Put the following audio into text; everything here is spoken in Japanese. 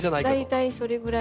大体それぐらい。